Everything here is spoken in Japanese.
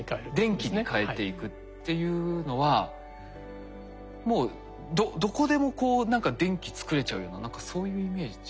電気に変えていくっていうのはもうどこでもこう何か電気作れちゃうような何かそういうイメージに。